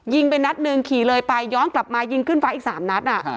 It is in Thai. ไปนัดหนึ่งขี่เลยไปย้อนกลับมายิงขึ้นฟ้าอีก๓นัด